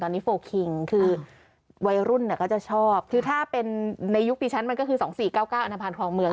ตอนนี้โฟร์คิงคือวัยรุ่นเนี้ยก็จะชอบคือถ้าเป็นในยุคปีชั้นมันก็คือสองสี่เก้าเก้าอาณาพารณ์ความเมือง